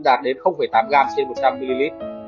đạt đến tám gram trên một trăm linh ml